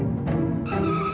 nih lu ngerti gak